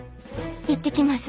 行ってきます。